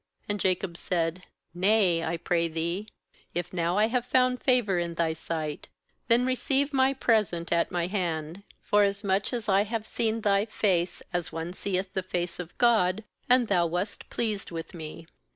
10And Jacob said: 'Nay, I pray thee, if now I have found favour in thy sight, then receive my present at my hand; forasmuch as I have seen thy face, as one seeth the face of God, and thou wast pleased with me.